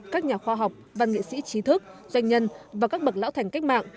các nhà khoa học văn nghệ sĩ trí thức doanh nhân và các bậc lão thành cách mạng